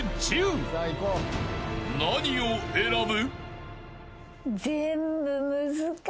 ［何を選ぶ？］